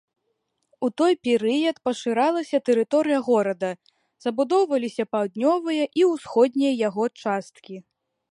У той перыяд пашырылася тэрыторыя горада, забудоўваліся паўднёвая і ўсходняя яго часткі.